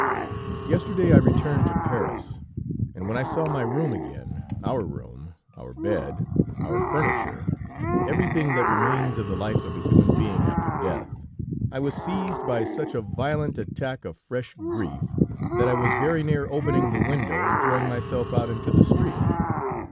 "Yesterday I returned to Paris, and when I saw my room again our room, our bed, our furniture, everything that remains of the life of a human being after death, I was seized by such a violent attack of fresh grief, that I was very near opening the window and throwing myself out into the street.